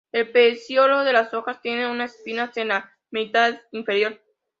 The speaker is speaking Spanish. El peciolo de las hojas tiene unas espinas en la mitad inferior.